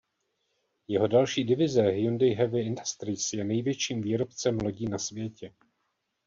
Jeho další divize Hyundai Heavy Industries je největším výrobcem lodí na světě.